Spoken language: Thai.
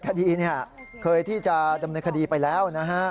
๗คดีค่อยที่จะดำเนินคดีไปแล้ว